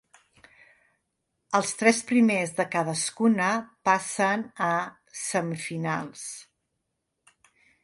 Els tres primers de cadascuna passen a semifinals.